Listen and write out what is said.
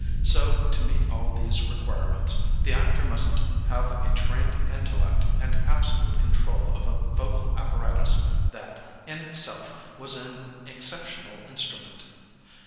So, to meet all these require ments, the actor must have a trained intellect and absolute control of a vocal apparatus that, in itself, was an exceptional instrument.